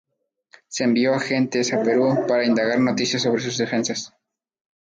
Se envió agentes a Perú para indagar noticias sobre sus defensas.